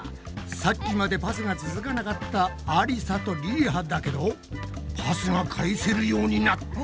さっきまでパスが続かなかったありさとりりはだけどパスが返せるようになった！